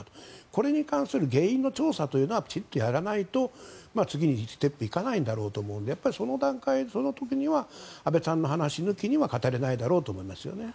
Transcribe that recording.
これに関する原因の調査はきちんとやらないと次のステップに行かないと思うのでその段階、その時には安倍さんの話抜きには語れないだろうと思いますよね。